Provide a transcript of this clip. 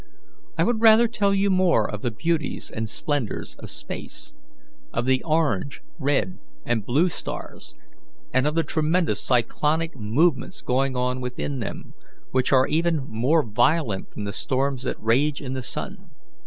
I would rather tell you more of the beauties and splendours of space of the orange, red, and blue stars, and of the tremendous cyclonic movements going on within them, which are even more violent than the storms that rage in the sun.